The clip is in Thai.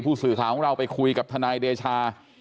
ผู้สื่อข่าวของเราไปคุยกับทนายเดชา